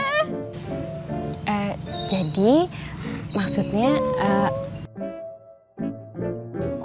ehh jadi maksudnya ehh